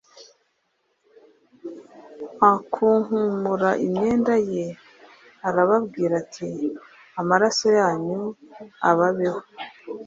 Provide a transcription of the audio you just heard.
akunkumura imyenda ye, arababwira ati : ‘Amaraso yanyu ababeho;